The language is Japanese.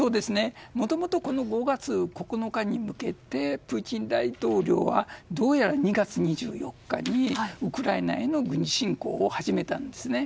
もともと５月９日に向けてプーチン大統領はどうやら、２月２４日にウクライナへの軍事侵攻を始めたんですね。